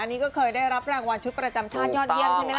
นี่ก็เคยได้รับรางวัลชุดประจำชาติยอดเยี่ยมใช่ไหมล่ะ